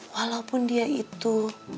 walaupun dia itu